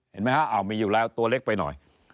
เห็นไหมฮะมีอยู่แล้วตัวเล็กไปหน่อย